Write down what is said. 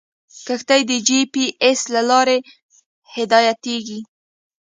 کښتۍ د جي پي ایس له لارې هدایتېږي.